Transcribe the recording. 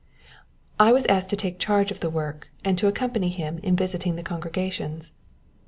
I was asked to take charge of the work, and to accompany him in visiting the congregations.